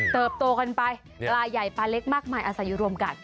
ตัวกันไปปลาใหญ่ปลาเล็กมากมายอาศัยอยู่รวมกัน